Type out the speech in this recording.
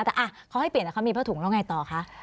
แต่เขาให้เปลี่ยนแล้วเขามีผ้าถุงแล้วอย่างไรต่อค่ะ